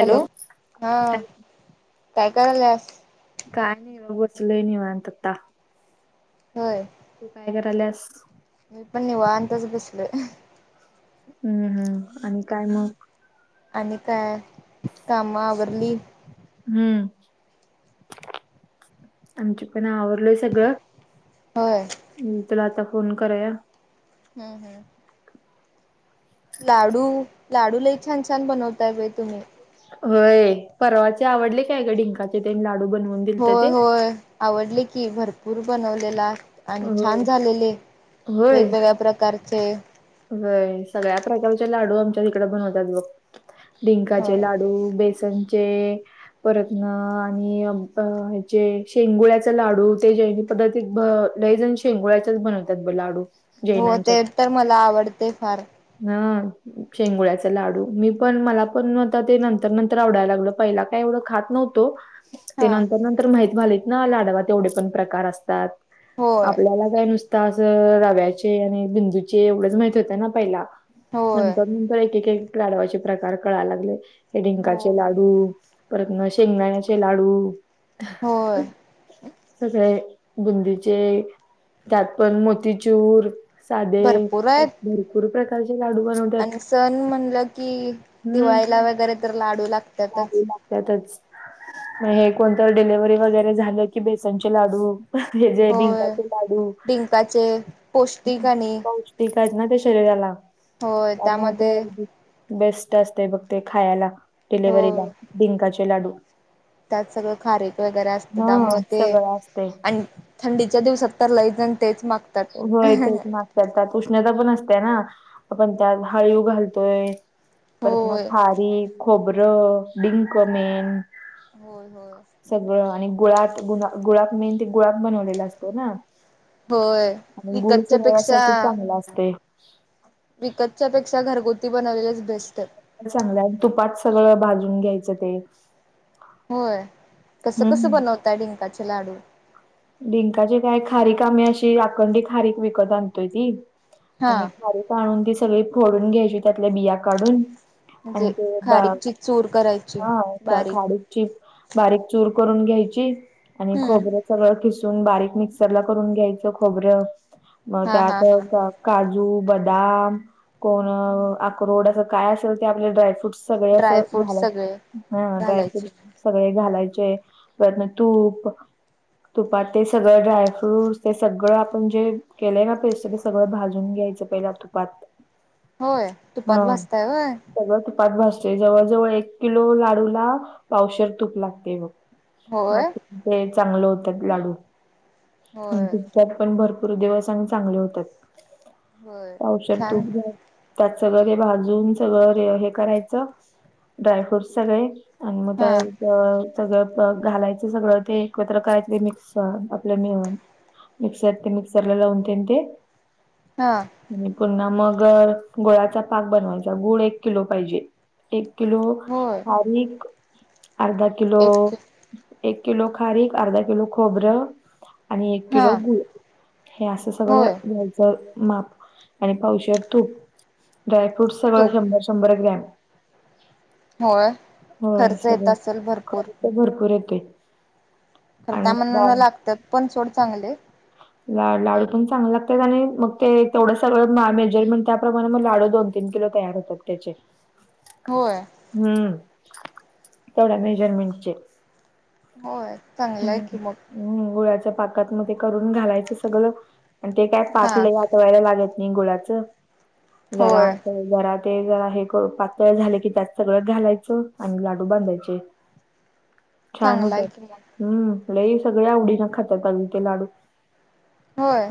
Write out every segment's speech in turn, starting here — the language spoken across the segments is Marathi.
हॅलो, हां हॅलो, काय करालेयास? काय नाय बघ बसलोय निवांत आता. व्हय. तू काय करायल्यास? मी पण निवांतच बसलोय. हम्म हम्म आणि काय मग? आणि काय काम आवरली? हम्म आमची पण आवरलय सगळं. होय. हम्म तुला आता फोन कराया हम्म हम्म. लाडू लाडू लई छान छान बनवताय बाई तुम्ही. होय परवाचे आवडले काय ग डिंकाचे ते लाडू बनवून? दिलत होय ते होय आवडले की भरपूर बनवलेला आणि होय छान झालेले वेगवेगळ्या प्रकारचे व्हय सगळ्या प्रकारचे लाडू आमच्या तिकडे बनवतात बघ. डिंकाचे हो लाडू, बेसनचे परत ना आणि अ ब हेचे शेंगुळ्याचे लाडू ते जे पद्धतीत ब लईजण शेंगुळ्याच्याच बनवतात ब लाडू. हो ते तर मला आवडते फार. हा. शेंगुळ्याचा लाडू मी पण मला पण आता ते नंतर नंतर आवडायला लागल. पहिला काय एवढं खात नव्ह तो. ते हा नंतर नंतर माहित व्हालेतना लाडवात एवढे पण प्रकार असतात. होय आपल्याला नाय नुसता असं रव्याचे आणि बिंदूचे एवढेच माहित होतं ना पहिला होय नंतर नंतर एक एकेक लाडवाचे प्रकार कळायला लागले. हे हो डिंकाचे लाडू परत ना शेंगदाण्याचे लाडू होय. सगळे बुंदीचे त्यात पण मोतीचूर साधे भरपूर आहेत भरपूर प्रकारचे लाडू बनव आणि सण म्हणलं की दिवाळीला वगैरे तर लाडू लाग हा बोला. त्यातच म हे कोणतरी डिलिव्हरी वगैरे झालं की बेसनचे लाडू ह्याजे होय डिंकाचे लाडू डिंकाचे पौष्टिक आणि पौष टिक आहेत ना ते शरीराला होय त्यामुळे ते त्यामध्ये अगदी बेस्ट असते बघ ते खायाला डिलिव्हरीला होय डिंकाचे लाडू. त्यात सगळं खारीक वगैरे असतं हा त्यामुळ ते सगळं असतय. आण थंडीच्या दिवसात तर लईजण तेच माग होय तेच मागत्यात त्यात उष्णता पण असतेय ना. आपण त्यात हळीव घालतोय परत मग होय खारीक, खोबरं, डिंक मेन होय होय. सगळं आणि गुळात गु गुळात मेन ते गुळात बनवलेला असत ना. होय. आणि गुळ विकतच्या पेक्षा शरीरासाठी चांगला असते. विकतच्या पेक्षा घरगुती बनवलेलच बेस्ट. चांगलंय. तुपात सगळं भाजून घ्यायचं ते. होय. हम्म कसं-कसं हम्म. बनवतायं डिंकाचे लाडू? डिंकाचे काय, खारीक आम्ही अशी अखंड खारीक विकत आणतोय ती आणि हा खारी [unintelligible] ती सगळी फोडून घ्यायची. त्यातल्या बिया काढून आणि म्हणजे ते खारीकची चूर करायची बारीक [unintelligible] बारीक चूर करून घ्यायची. आणि हम्म खोबर खोबरं खिसून, बारीक मिक्सरला करून घ्यायचं खोबरं, म हा हा हा त्यात काजू, बदाम, कोण अ अक्रोड असं काय असेल ते आपले ड्रायफ्रूट सगळे असं ड्रायफ्रूट झालं, सगळे ह ड्रायफ्रूट घालायचे सगळे घालायचे, परत नं तूप तुपात ते सगळं ड्रायफ्रूट, ते सगळं आपण जे केलंय ना पेस्ट, ते सगळं भाजून घ्यायचं पहिला तुपात होय! हा तुपात भाजताय होय! सगळं तुपात भाजतोय. जवळ जवळ एक किलो लाडूला पावशीर तूप लागते मग. मग होय होय ते चांगले होतात लाडू. होय त्यात पण भरपूर दिवस आणि चांगले होतात. होय पावशेर छान तूप त्यात सगळं ते भाजून, सगळं हे करायचं ड्रायफ्रूट सगळे. आणि मग हा त्या सगळं घालायचं सगळं ते एकत्र करायचं ते मिक्स आपल्या मी मिक्सर ते मिक्सरला लावून ते ते. हा! आणि पुन्हा मग गुळाचा पाक बनवायचा, गुळ एक किलो पाहिजे. एक एक किलो होय खारीक, अर्धा किलो एक एक किलो खारीक, अर्धा किलो खोबरं आणि एक हा किलो गूळ हे असं सगळं होय घ्यायचं, माप आणि पावशेर तूप, ड्रायफ्रूट सगळं तूप शंभर, शंभर ग्रॅम. होय! होय खर्च येत सगळं असेल भरपूर. खर्च भरपूर येतोय. खरं! त्या आणि मनानं डाळ लागतात पण सोड चांगले. [unintelligible] ला लाडू पण चांगलं लागतात, आणि मग ते तेवढं सगळं मेजरमेंट त्याप्रमाणे मग लाडू दोन- तीन किलो तयार होत. [unintelligible] होय. हम्म! तेवढ्या मेजरमेंटचे. होय! चांगलंय आहे हम्म की मग. हम्म! गुळाच्या पाकात मग ते करून घालायचं सगळं, आणि ते काय हा पाक लय [unintelligible] लागत नाही गुळाचं जरा. होय जरा, ते जरा हे पातळ झाले की, त्यात सगळं घालायचं आणि लाडू बांधायचे. [unintelligible] छान चांगला आहे होतात. की मग हम्म! लई सगळे आवडीनं खातात आणि ते लाडू. होय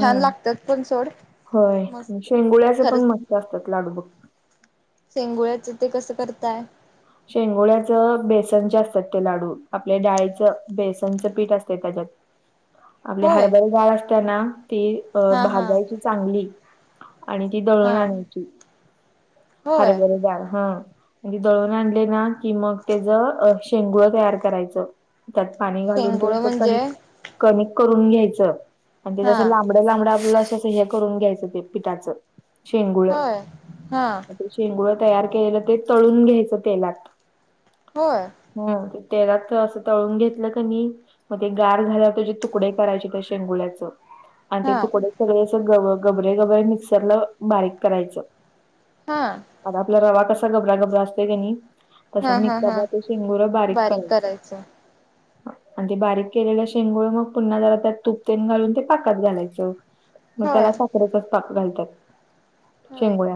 छान लागतात पण सोड होय, मस्त शेंगुळ्याचं पण खरंच म स्त असतात लाडू बघं. शेंगुळ्याचं ते कसं करताय. शेंगोळ्याचं, बेसनचे असतात ते लाडू. आपल्या डाळीचं बेसनचं पीठ असते त्याच्यात आपली होय हरभरा डाळ असताना ती अ हा हा भाजायची चांगली. आणि ती दळून हा आणायची. होय हरभरा डाळ. हा. म्हणजे दळून आणले ना की मग त्याचं शेंगुळ तयार करायचं. त्यात पाणी घालून शेंगोळ ते क म्हणजे कनिक करून घ्यायचं. आणि ते हा अस लांब लांबड लांबडं आपलं असं हे करून घ्यायचं ते पिठाचं. शेंगुळ होय. हा. शेंगुळ तयार केलेलं ते तळून घ्यायचं तेलात. होय. हा तेलात असं तळून घेतलं कनी मग ते गार झाल्यावर तीजे तुकडे करायचे त्या शेंगुळ्याच. आणि ते हा तुकडे सगळे अस ग गबरे गबरे मिक्सरला बारीक करायचं. हा. आता आपला रवा कसा गबरा गबरा असतोय क नी. तस हा हा मिक्सर हा ला शेंगुर बारीक करायच. आणि ते बारीक केलेला शेंगोळ मग पुन्हा जरा त्यात तुपतेन घालून ते पाकात घालायचं. मग त्याला होय साखरेचाच पाक घालत्यात. होय शेंगोळ्याला.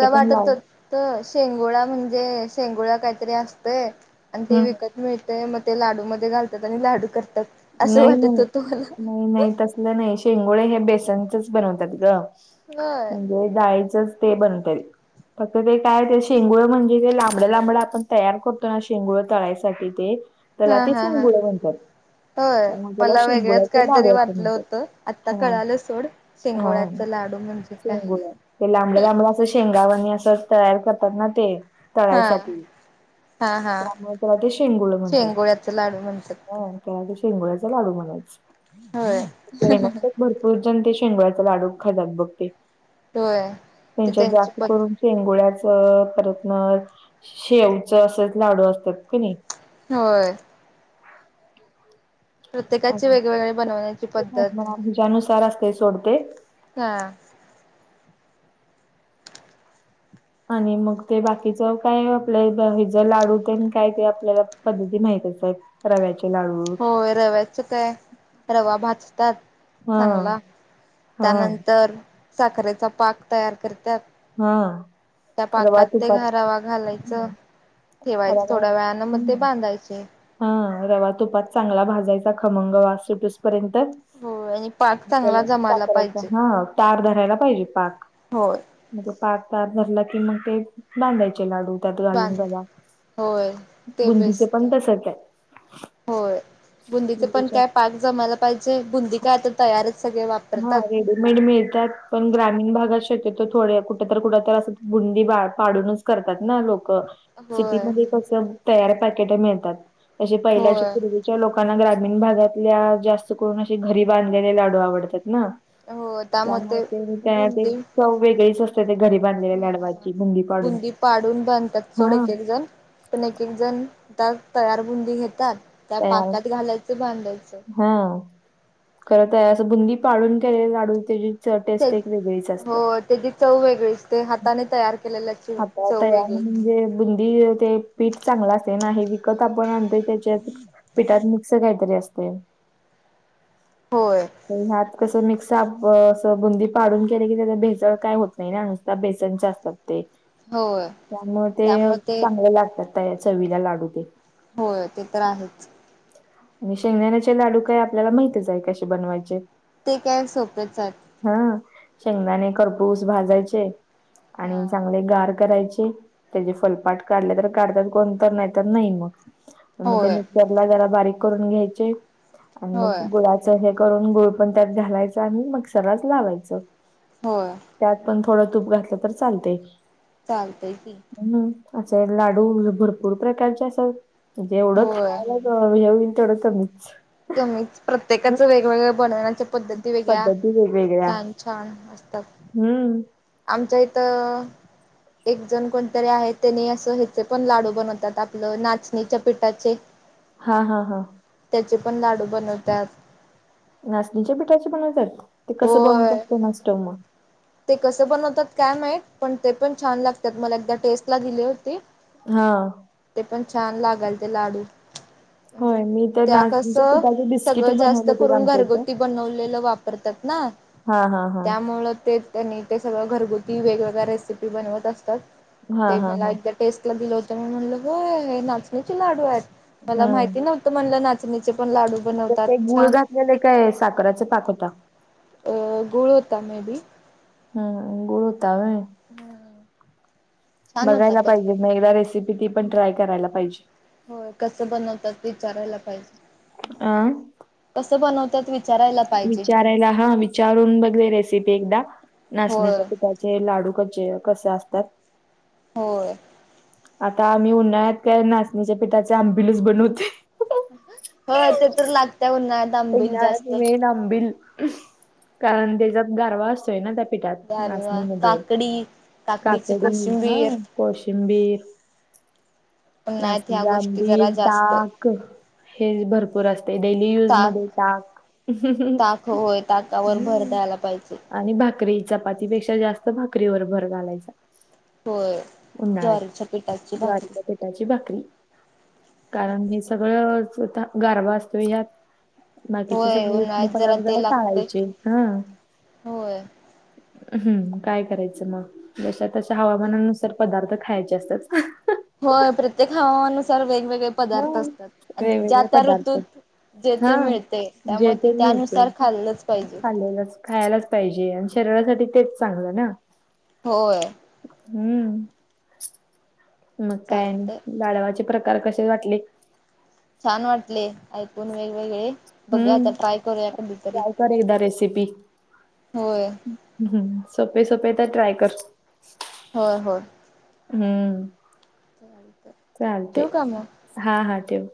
हे पण वाटत लाव होत शेंगोळा म्हणजे शेंगोळा काहीतरी असतय‌. आणि ते हम्म विकत मिळत. मग ते लाडूमध्ये घालतात. आणि लाडू करतात. असं नाही वाटत नाही‌. होतं मला नाही नाही तसलं नाही शेंगोळे हे बेसनचच बनवतात ग. व्हय. ते डाळीचच ते बनतयं. फक्त ते काय ते शेंगुळ म्हणजे ते लांबड लांबड आपण तयार करतो ना शेंगुळ तळायसाठी ते. त्याला हा ते हा हा शेंगुळ म्हणत्यात. होय. मला वेगळंच लाडू काहीतरी असे वाटलं म्हणतात होतं. आता हा कळालं सोड. हा शिंगोळ्याचा लाडू म्हणजे काय? शेंगुळ्या ते लांबड लांबड असं शेंगावणी अस तयार करतात ना ते. हा तळायसाठी हा हा त्यामुळ तेला ते शेंगुळ म्हणतात. शेंगोळ्याच लाडू म्हणतात अ. त्याला ते शेंगोळ्याचा लाडू म्हणायच. होय. येण्यातच भरपूर जण ते शेंगोळ्याचा लाडू खातात बघ ते. होय ती त्यांच्यात त्यांची जास्त करून पद्धत शेंगुळ्याचं परत मग शेवचं असच लाडू असतात क नी. होय. प्रत्येकाचे वेगवेगळे बनवण्याची पद्धत हेच्यानुसार असतंय सोड ते. हा. आणि मग ते बाकीचं काय आपलं हे ज लाडू ते काय ते आपल्याला पद्धती माहीत च आहेत. रव्याचे लाडू. होय. रव्याचं काय? रवा भाजतात हा चांगला. हा त्यानंतर साखरेचा पाक तयार करतात. हा त्या रवा पाकात ते तुपात रवा घालायचं. ठेवायचे रवा थोड्या वेळान मग ते हम्म बांधायचं. हा. रवा तुपात चांगला भाजायचा खमंग वास सुटूसपर्यंत. होय आणि पाक चांगला जमायला पाहिजे तार धरायला पाहिजे पाक‌. होय. पाक तार धरला की मग ते बांधायचे लाडू. त्यात घालून बांध रवा, होय ते बुंदीचे बेस्ट पण तसच आहे. होय, बुंदीचे पण बुंदीच्या काय पाक जमायला पाहिजे, बुंदी काय आता तयारच सगळे वापर हा रेडी मेड मिळत्यात, पण ग्रामीण भागात शक्यतो थोड्या कुठ तर, कुठ तर, अस बुंदी पाडूनच करत्यात ना लोक. होय सिटीमध्ये कस तयार पॅकेट मिळतात, अशे पहिल्याच्या होय पूर्वी लोकांना ग्रामीण भागातल्या जास्त करून असे घरी बांधलेले लाडू आवडतात ना त्यामुळे ते त्या ते चव वेगळीच असते, ते घरी बांधलेल्या हा लाडवाची बुंदी पाडून. पाडून बांधत्यात सोड हा एक-एक जण. पण एक-एक जण त्या तयार बुंदी घेतात, त्या तयार पाकात घालायचं बांधायचं. हा, खर तयार आहे असं बुंदी पाडून केलेली लाडू त्याची च त्या टेस्ट एक वेगळीच असते. हो त्याची चव वेगळीच, ते हाताने तयार केलेलं आता तयार म्हणजे बुंदी ते पीठ चांगलं असतंय ना, हे विकत आपण आणतो त्याच्यात पीठात असं काहीतरी असतय. होय. ते ह्यात कसं, मिक्स आप ब असं बुंदी पाडून केले की, त्याच्यात भेसळ काय होत नाही ना, नुसत्या बेसनच्या असतात ते. होय त्यामुळे ते त्यामुळे ते चांगले लागतात, त्या चवीला लाडू ते. होय, ते तर आहेच. आणि शेंगदाण्याचे लाडू काय आपल्याला माहितच आहे, कशे बनवायचे. ते काय सोपेच आहेत. हा. शेंगदाणे खरपूस भाजायचे आणि हा चांगले गार करायचे, त्याचे फलपाट काढले तर काढतात कोण तर, नाही तर नाही मग. मग ते होय मिक्सरला जरा बारीक करून घ्यायचे आणि मग होय गुळात च हे करून गुळ पण त्यात घालायचं आणि मिक्सरलाच लावायचं. होय. त्यात पण थोडं तूप घातलं तर चालतंय. चालतंय की. हं, असे लाडू, भरपूर प्रकारचे असतात, म्हणजे एवढं होय खायला हं, हे येईन तेवढं कमीच. कमीच, हं, प्रत्येकाचं वेगवेगळ्या बनवण्याच्या पद्ध ती वेगळया, पद्धती वेगवेगळ्या छान, छान असत्यात. हम्म. आमच्या इथं एक जण कोणतरी आहे, त्यानी असं ह्याचे पण लाडू बनवतात, आपलं नाचणीच्या पिठाचे. हा, हा, हा. त्याचे पण लाडू बनवतात. नाचणीच्या पिठाचे बनवतात? ते कसं बनवतात होय कोणास ठाऊक मग. ते कसं बनवतात काय माहीत, पण ते पण छान लागत्यात. मला एकदा टेस्टला दिले होते. हा. ते पण छान लागालते लाडू. म्हणजे होय मी तर त्या नाचणीच्या कसं पिठाचे बिस्किट सगळं बनवले जास्त होते ग करून, आमच्या इथे. घरगुती बनवलेलं वापरतात ना. हा, हा, हा. त्यामुळं ते त्यांनी ते सगळं घरगुती, वेगवेगळ्या रेसिपी बनवत असतात. हा ते हा मला हा एकदा टेस्ट ला दिल होतं, मी म्हंटलं गं हे! नाचणीचे लाडू आहेत. मला माहिती नव्हते. त्या म्हणल्या, नाचणीचे पण लाडू म्हणजे बनवतात ते गुळ छान घातलेले काय,? साखराच्या पाक होता? अं.. [unintelligible] गूळ होता मे बी. हं.. [unintelligible] गुळ होता होय. हम. बघायला पाहिजे मग, एकदा रेसिपी ती पण, ट्राय करायला पाहिजे. होय कसं बनवतात, विचारायला पाहिजे. अ कसं बनवतात वि [unintelligible] विचारायला, हा विचारून बघूया. रेसिपी एकदा होय नाचणीच्या पीठाची जे लाडू कचे, कसे असतात.? होय. आता आम्ही उन्हाळ्यात काय, नाचणीच्या पिठाचे आंबिलच बनवतोय. हो, ते तर लागते, उन्हाळ्यात आप उन्हाळ्यात मेन आंबील. कारण त्याच्यात गारवा असतोय ना त्या [unintelligible] पिठात, गारवा नाचणीमध्ये काकडी काकडीची काकडी, हा. कोशिंबीर कोशिंबीर. उन्हाळ्यात ह्या गोष्टी जरा जास्त ताक, हेच, भरपूर असते. डेली यूज मध्ये. ताक ताक, ताक होय ताकावर भर हम्. द्यायला पाहिजे आणि भाकरी, चपातीपेक्षा, जास्त भाकरीवर, भर घालायचा. होय, ज्वारीच्या, पिठाची भाकरी. ज्वारीची भाकरी. कारण हे सगळं, गारवा असतो यात. बाकीचे होय सगळ, उष्ण उन्हाळ्यात जरा पदार्थ ते लागते टाळायचे हं. होय. हम्म काय करायचं मग, जशा, तशा हवा मानानुसार, पदार्थ खायचे असतात. हो! प्रत्येक हवामानुसार वेगवेगळे हो, पदार्थ असतात. आणि ज्या, वेगवेगळे त्या पदार्थ. ऋतूत,.. जेथ हां. मिळते, जे त्यामुळे ते मिळते त्यानुसार खाल्लंच पाहिजे. खाल्लेलंच खायलाच पाहिजे. आणि शरीरासाठी तेच चांगलं ना. होय. हम्म. मग काय? चालतंय लाडवाचे प्रकार कसे वाटले. छान वाटले. ऐकून वेगवेगळे. बघूया आता हम्म. ट्राय करूया कधीतरी ट्राय कर एकदा रेसिपी. होय हम्म सोपे, सोपे तर ट्राय कर. होय हो. हम्म. चालते. ठेवू का मग? हा, हा ठेव.